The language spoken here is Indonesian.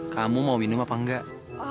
kamu mau minum apa enggak